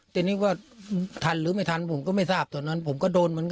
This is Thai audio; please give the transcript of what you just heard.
ทีนี้ก็ทันหรือไม่ทันผมก็ไม่ทราบตอนนั้นผมก็โดนเหมือนกัน